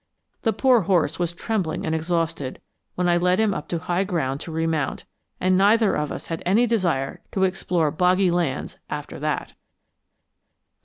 The poor horse was trembling and exhausted when I led him up to high ground to remount, and neither of us had any desire to explore boggy lands after that.